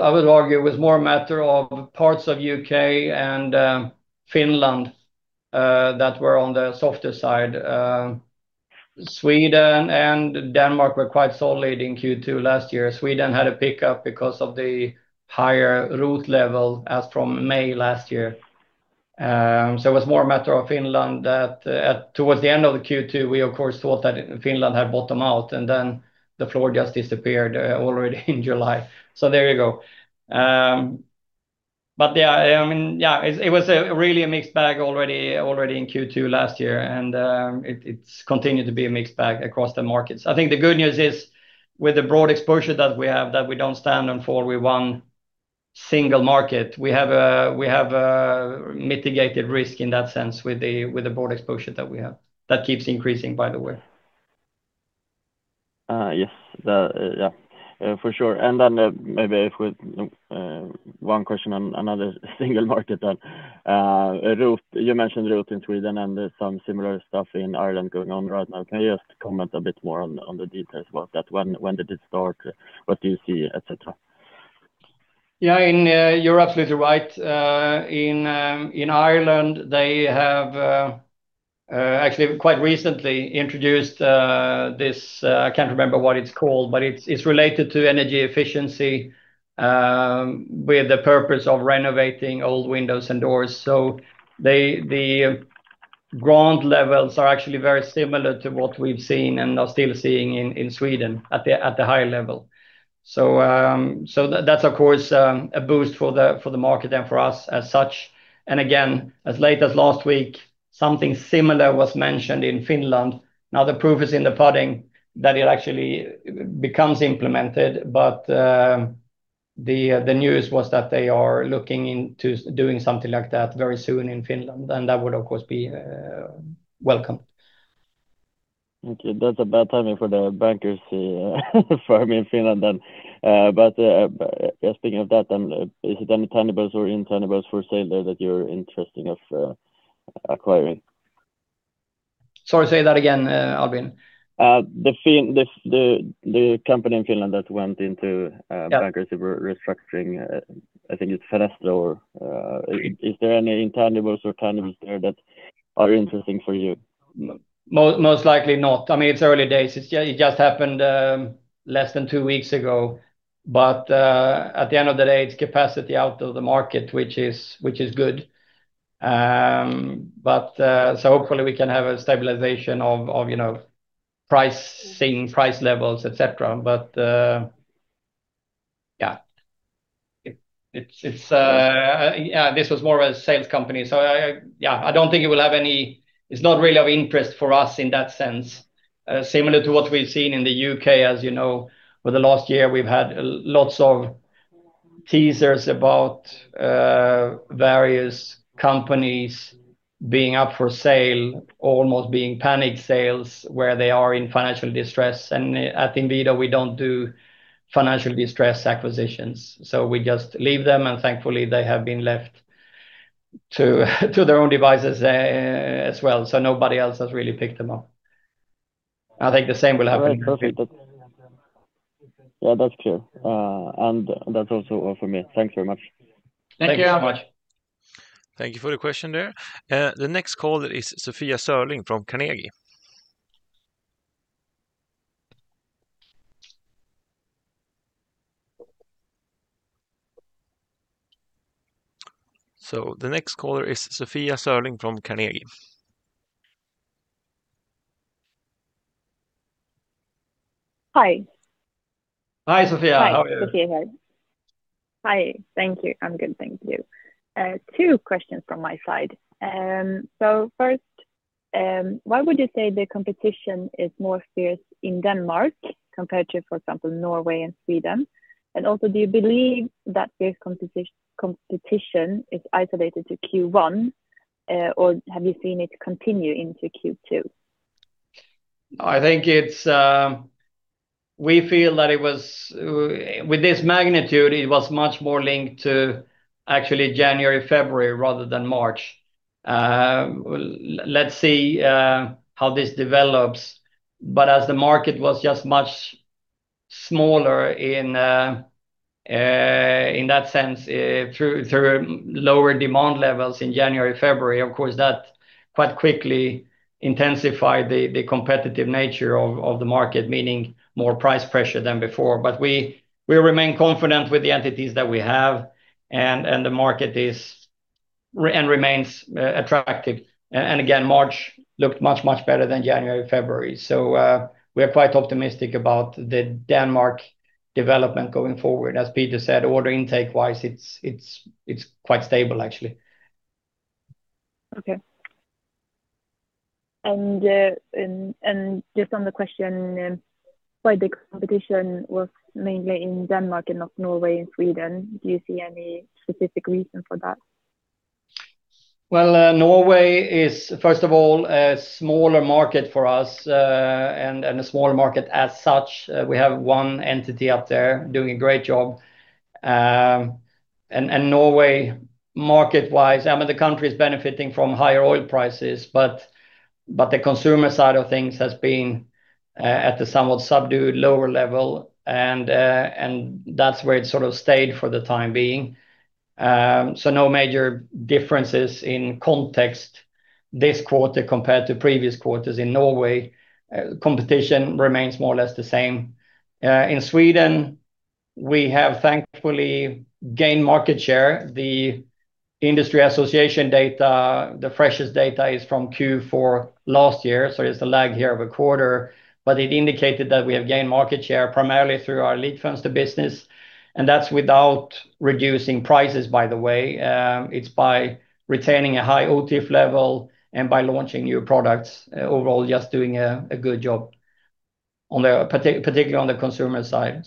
I would argue it was more a matter of parts of U.K. and Finland that were on the softer side. Sweden and Denmark were quite solid in Q2 last year. Sweden had a pickup because of the higher ROT level as from May last year. It was more a matter of Finland that towards the end of the Q2, we of course thought that Finland had bottomed out, and then the floor just disappeared already in July. There you go. Yeah, I mean, yeah, it was really a mixed bag already in Q2 last year, and it's continued to be a mixed bag across the markets. I think the good news is with the broad exposure that we have, that we don't stand or fall with one single market. We have a mitigated risk in that sense with the broad exposure that we have. That keeps increasing, by the way. Yes. Yeah, for sure. One question on another single market, then. ROT. You mentioned ROT in Sweden and there's some similar stuff in Ireland going on right now. Can you just comment a bit more on the details about that? When did it start? What do you see, et cetera? Yeah, you're absolutely right. In Ireland, they have actually quite recently introduced this. I can't remember what it's called, but it's related to energy efficiency with the purpose of renovating old windows and doors. The grant levels are actually very similar to what we've seen and are still seeing in Sweden at the higher level. That's of course a boost for the market and for us as such. Again, as late as last week, something similar was mentioned in Finland. Now, the proof is in the pudding that it actually becomes implemented. The news was that they are looking into doing something like that very soon in Finland, and that would of course be welcomed. Okay. That's a bad timing for the bankers, for me in Finland then. Yeah, speaking of that then, is it any tangibles or intangibles for sale there that you're interested in acquiring? Sorry, say that again, Albin. The company in Finland that went into Yeah. -bankruptcy restructuring, I think it's Fenestra or, is there any intangibles or tangibles there that are interesting for you? Most likely not. I mean, it's early days. It just happened less than two weeks ago. At the end of the day, it's capacity out of the market, which is good. Hopefully we can have a stabilization of you know, pricing, price levels, et cetera. Yeah. This was more of a sales company. I don't think it will have any. It's not really of interest for us in that sense. Similar to what we've seen in the U.K. As you know, for the last year, we've had lots of teasers about various companies being up for sale, almost being panic sales, where they are in financial distress. At Inwido, we don't do financial distress acquisitions, so we just leave them, and thankfully, they have been left to their own devices, as well. Nobody else has really picked them up. I think the same will happen in Finland. All right. Perfect. Yeah, that's clear. That's also all for me. Thanks very much. Thank you. Thank you so much. Thank you for your question there. The next caller is Sofia Sörling from Carnegie. Hi. Hi, Sofia. How are you? Hi. Hope you're good. Hi. Thank you. I'm good, thank you. Two questions from my side. First, why would you say the competition is more fierce in Denmark compared to, for example, Norway and Sweden? Do you believe that this competition is isolated to Q1, or have you seen it continue into Q2? We feel that it was with this magnitude much more linked to actually January, February rather than March. Let's see how this develops. As the market was just much smaller in that sense through lower demand levels in January, February, of course, that quite quickly intensified the competitive nature of the market, meaning more price pressure than before. We remain confident with the entities that we have and the market remains attractive. March looked much better than January, February. We are quite optimistic about the Denmark development going forward. As Peter said, order intake-wise, it's quite stable, actually. Okay. Just on the question, why the competition was mainly in Denmark and not Norway and Sweden, do you see any specific reason for that? Well, Norway is, first of all, a smaller market for us, and a smaller market as such. We have one entity up there doing a great job. Norway market-wise, I mean, the country is benefiting from higher oil prices, but the consumer side of things has been at the somewhat subdued lower level. That's where it sort of stayed for the time being. No major differences in context this quarter compared to previous quarters in Norway. Competition remains more or less the same. In Sweden, we have thankfully gained market share. The industry association data, the freshest data is from Q4 last year, so it's a lag here of a quarter, but it indicated that we have gained market share primarily through our lead funds to business, and that's without reducing prices, by the way. It's by retaining a high OTIF level and by launching new products. Overall, just doing a good job particularly on the consumer side.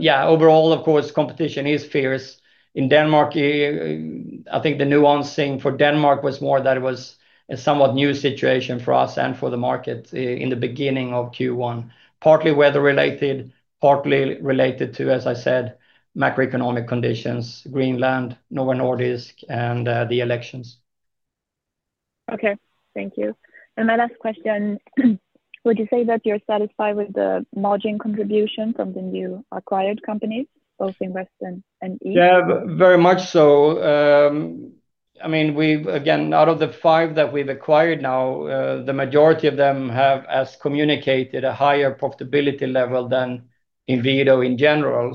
Yeah, overall, of course, competition is fierce. In Denmark, I think the nuancing for Denmark was more that it was a somewhat new situation for us and for the market in the beginning of Q1, partly weather-related, partly related to, as I said, macroeconomic conditions, Greenland, Novo Nordisk, and the elections. Okay. Thank you. My last question, would you say that you're satisfied with the margin contribution from the new acquired companies, both in West and East? Yeah. Very much so. I mean, we've again, out of the five that we've acquired now, the majority of them have, as communicated, a higher profitability level than Inwido in general.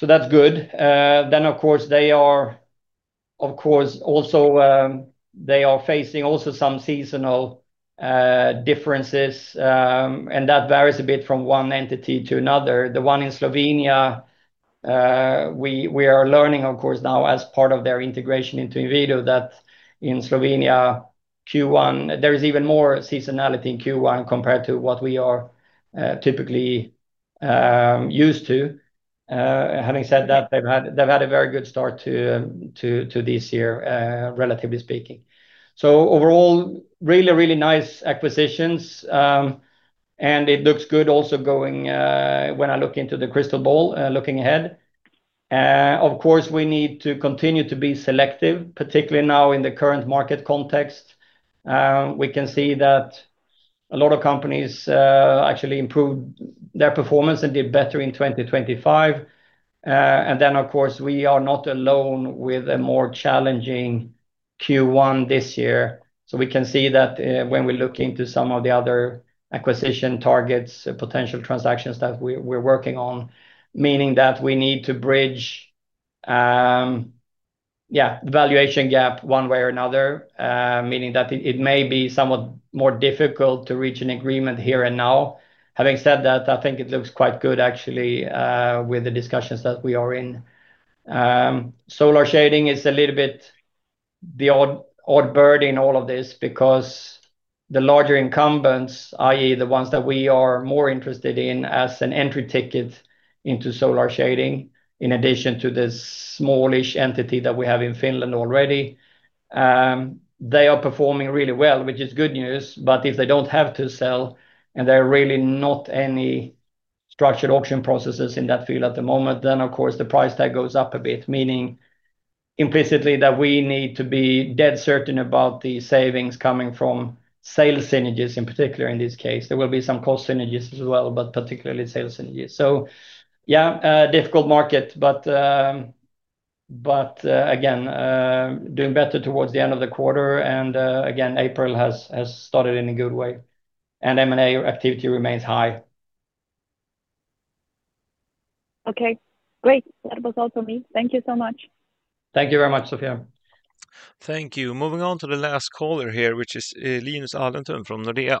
That's good. Of course, they are facing some seasonal differences. That varies a bit from one entity to another. The one in Slovenia, we are learning, of course, now as part of their integration into Inwido that in Slovenia, Q1, there is even more seasonality in Q1 compared to what we are typically used to. Having said that, they've had a very good start to this year, relatively speaking. Overall, really nice acquisitions. It looks good also going when I look into the crystal ball, looking ahead. Of course, we need to continue to be selective, particularly now in the current market context. We can see that a lot of companies actually improved their performance and did better in 2025. Of course, we are not alone with a more challenging Q1 this year. We can see that when we look into some of the other acquisition targets, potential transactions that we're working on, meaning that we need to bridge the valuation gap one way or another, meaning that it may be somewhat more difficult to reach an agreement here and now. Having said that, I think it looks quite good actually with the discussions that we are in. Solar shading is a little bit the odd bird in all of this because the larger incumbents, i.e. The ones that we are more interested in as an entry ticket into solar shading, in addition to the smallish entity that we have in Finland already, they are performing really well, which is good news. If they don't have to sell and there are really not any structured auction processes in that field at the moment, then of course, the price tag goes up a bit. Meaning implicitly that we need to be dead certain about the savings coming from sales synergies in particular in this case. There will be some cost synergies as well, but particularly sales synergies. Yeah, a difficult market. Again, doing better towards the end of the quarter. Again, April has started in a good way, and M&A activity remains high. Okay, great. That was all for me. Thank you so much. Thank you very much, Sofia. Thank you. Moving on to the last caller here, which is, Linus Alentun from Nordea.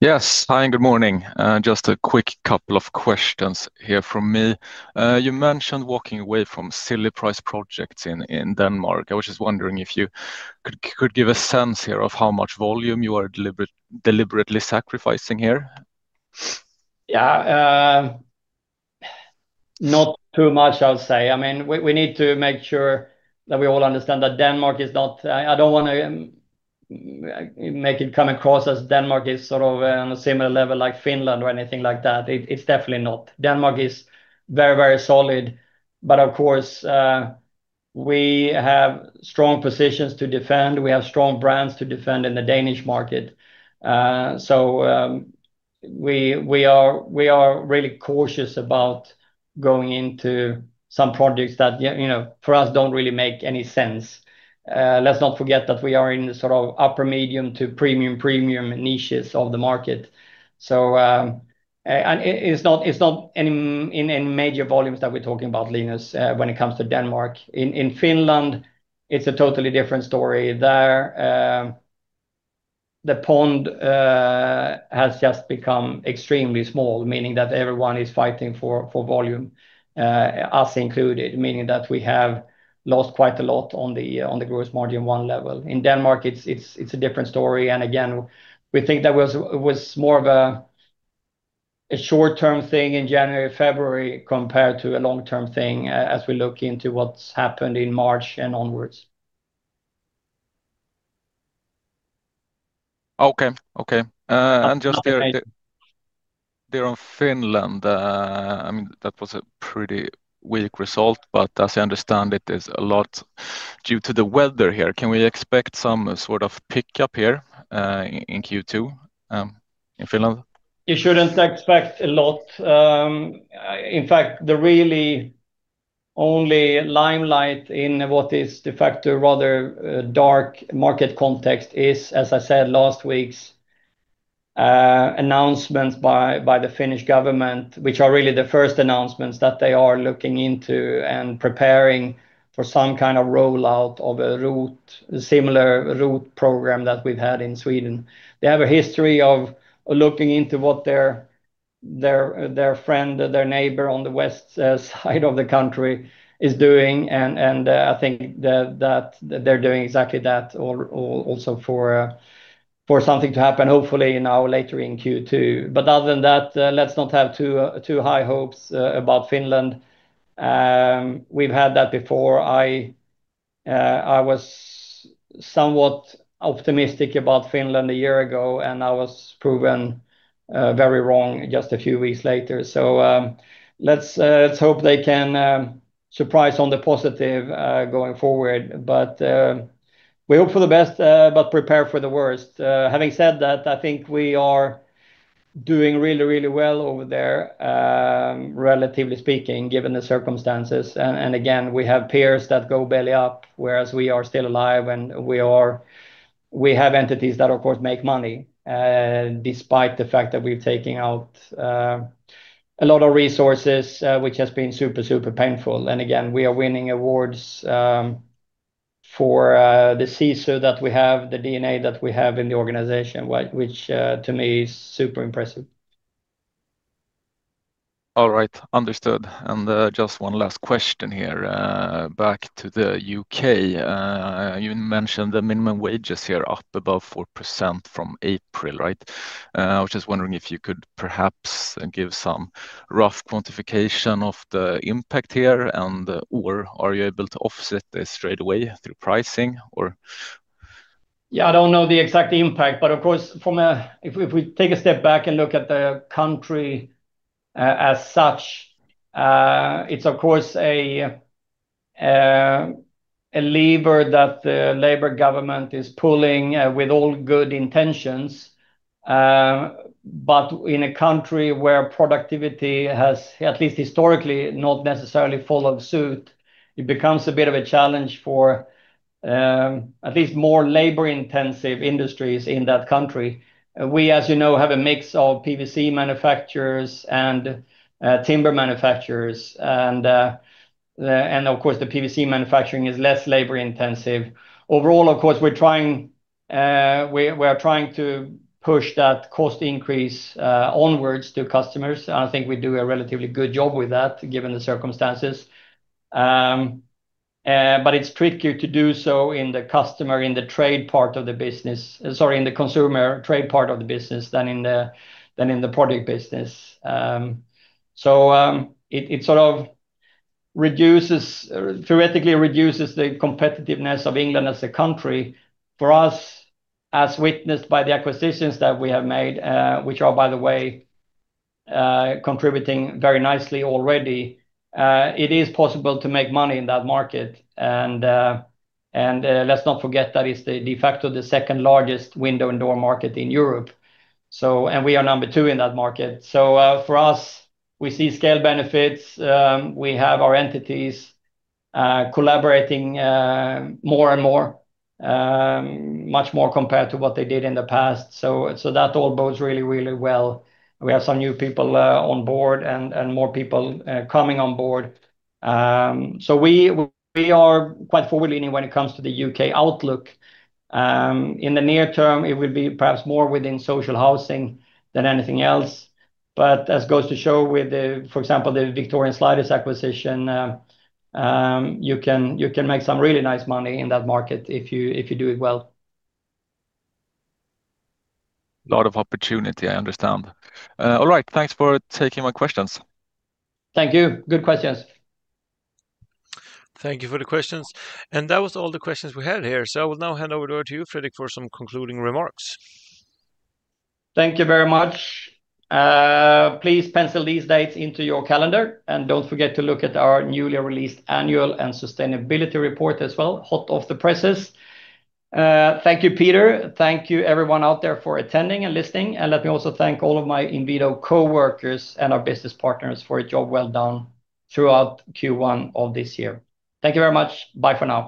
Yes. Hi, and good morning. Just a quick couple of questions here from me. You mentioned walking away from silly price projects in Denmark. I was just wondering if you could give a sense here of how much volume you are deliberately sacrificing here. Not too much, I would say. I mean, we need to make sure that we all understand that Denmark is not. I don't wanna make it come across as Denmark is sort of on a similar level like Finland or anything like that. It's definitely not. Denmark is very solid. Of course, we have strong positions to defend. We have strong brands to defend in the Danish market. We are really cautious about going into some projects that, you know, for us, don't really make any sense. Let's not forget that we are in the sort of upper medium to premium niches of the market. And it's not in any major volumes that we're talking about, Linus, when it comes to Denmark. In Finland, it's a totally different story. There, the pond has just become extremely small, meaning that everyone is fighting for volume, us included, meaning that we have lost quite a lot on the gross margin one level. In Denmark, it's a different story. Again, we think that was more of a short-term thing in January, February compared to a long-term thing as we look into what's happened in March and onwards. Okay. Just there. Okay. There in Finland, I mean, that was a pretty weak result, but as I understand it's a lot due to the weather here. Can we expect some sort of pickup here, in Q2, in Finland? You shouldn't expect a lot. In fact, the really only limelight in what is a rather dark market context is, as I said, last week's announcements by the Finnish government, which are really the first announcements that they are looking into and preparing for some kind of rollout of a ROT, similar ROT program that we've had in Sweden. They have a history of looking into what their neighbor on the west side of the country is doing. I think that they're doing exactly that also for something to happen, hopefully now later in Q2. Other than that, let's not have too high hopes about Finland. We've had that before. I was somewhat optimistic about Finland a year ago, and I was proven very wrong just a few weeks later. Let's hope they can surprise on the positive going forward. We hope for the best, but prepare for the worst. Having said that, I think we are doing really, really well over there, relatively speaking, given the circumstances. Again, we have peers that go belly up, whereas we are still alive and we have entities that, of course, make money, despite the fact that we're taking out a lot of resources, which has been super painful. Again, we are winning awards for the culture that we have, the DNA that we have in the organization, which to me is super impressive. All right. Understood. Just one last question here. Back to the U.K., you mentioned the minimum wages here up above 4% from April, right? I was just wondering if you could perhaps give some rough quantification of the impact here and or are you able to offset this straight away through pricing or? Yeah, I don't know the exact impact, but of course, if we take a step back and look at the country as such, it's of course a lever that the labor government is pulling with all good intentions. In a country where productivity has, at least historically, not necessarily followed suit, it becomes a bit of a challenge for at least more labor-intensive industries in that country. We, as you know, have a mix of PVC manufacturers and timber manufacturers and of course, the PVC manufacturing is less labor-intensive. Overall, of course, we are trying to push that cost increase onwards to customers. I think we do a relatively good job with that, given the circumstances. It's trickier to do so in the consumer trade part of the business than in the project business. It sort of reduces or theoretically reduces the competitiveness of England as a country. For us, as witnessed by the acquisitions that we have made, which are, by the way, contributing very nicely already, it is possible to make money in that market. Let's not forget that it's the de-facto second largest window and door market in Europe. We are number two in that market. For us, we see scale benefits. We have our entities collaborating more and more, much more compared to what they did in the past. That all bodes really well. We have some new people on board and more people coming on board. We are quite forward-leaning when it comes to the U.K. outlook. In the near term, it will be perhaps more within social housing than anything else. It goes to show with, for example, the Victorian Sliders acquisition, you can make some really nice money in that market if you do it well. A lot of opportunity, I understand. All right. Thanks for taking my questions. Thank you. Good questions. Thank you for the questions. That was all the questions we had here. I will now hand over to you, Fredrik, for some concluding remarks. Thank you very much. Please pencil these dates into your calendar, and don't forget to look at our newly released annual and sustainability report as well, hot off the presses. Thank you, Peter. Thank you everyone out there for attending and listening. Let me also thank all of my Inwido coworkers and our business partners for a job well done throughout Q1 of this year. Thank you very much. Bye for now.